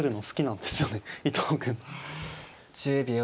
１０秒。